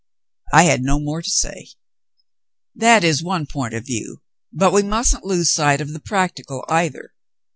I had no more to say." "That is one point of view, but we mustn't lose sight of the practical, either.